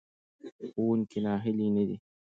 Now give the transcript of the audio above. ښوونکی ناهیلی نه دی.